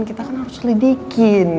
kita kan harus selidikin